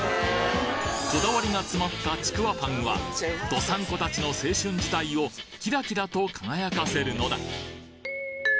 こだわりが詰まったちくわぱんは道産子たちの青春時代をキラキラと輝かせるのだ